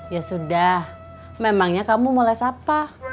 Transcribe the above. ya sudah memangnya kamu mau les apa